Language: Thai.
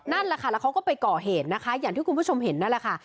นั่นแหละค่ะแล้วเขาก็ไปก่อเหตุนะคะอย่างที่คุณผู้ชมเห็นนั่นแหละค่ะ